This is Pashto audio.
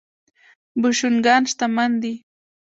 بوشونګان شتمن دي.